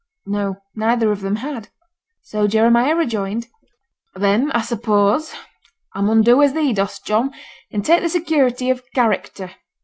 No; neither of them had. So Jeremiah rejoined 'Then, I suppose, I mun do as thee dost, John, and take the security of character.